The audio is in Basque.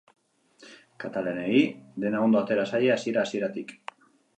Katalanei dena ondo atera zaie hasiera-hasieratik.